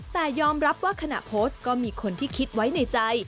แต่ยอมรับว่าขณะโพสต์ก็มีคนที่คิดไว้ในใจ